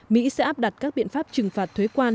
mỹ sẽ áp đặt các biện pháp trừng phạt thuế quan